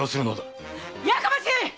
やかましい！